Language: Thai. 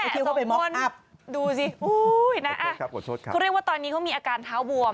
สองคนดูสิอุ๊ยนะอ่ะคุณเรียกว่าตอนนี้เขามีอาการเท้าบวม